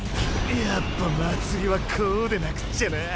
やっぱ祭りはこうでなくっちゃなぁ。